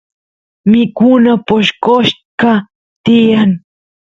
mikuna poshqoshqa tiyan